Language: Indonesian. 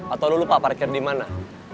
atau lo lupa parkir di mana